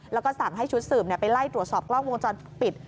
แล้วก็สั่งให้ชุดสืบไปไล่ตรวจสอบกล้องวงจรปิด